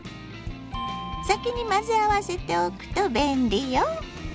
先に混ぜ合わせておくと便利よ。